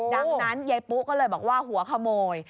ดังนั้นยายปุ๊ก็เลยบอกว่าหัวขโมย